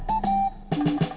saya juga ngantuk